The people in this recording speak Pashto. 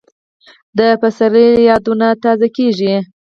د سپرلي یادونه تازه کېږي